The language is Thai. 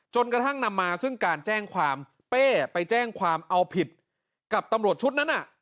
จนกระทั่งนำมาซึ่งการแจ้งความเป้ไปแจ้งความเอาผิดกับตำรวจชุดนั้น